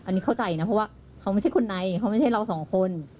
อันนี้เข้าใจนะเพราะว่าเขาไม่ใช่คนในเขาไม่ใช่เราสองคน